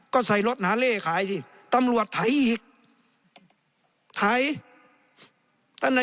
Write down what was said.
ก็ใส่รถหาเลขายสิตำรวจไถยอีกไถยตั้งแต่